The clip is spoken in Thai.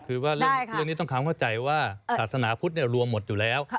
คือว่าเรื่องนี้ต้องทำเข้าใจว่าศาสนาพุทธรวมหมดอยู่แล้ว